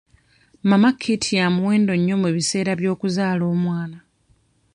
Mama kit ya muwendo nnyo mu biseera by'okuzaala omwana.